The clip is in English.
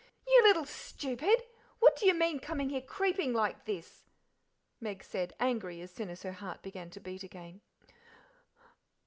"You little stupid! What do you mean coming creeping here like this?" Meg said, angry as soon as her heart began to beat again.